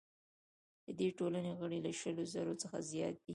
د دې ټولنې غړي له شلو زرو څخه زیات دي.